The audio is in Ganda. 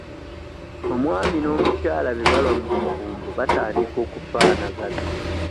Omwami n'omukyala bwe balwa mu bufumbo batandika okufaanagana.